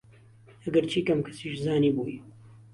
ئهگەرچی کهم کهسیش زانیبووی